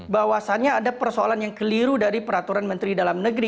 bahwasannya ada persoalan yang keliru dari peraturan menteri dalam negeri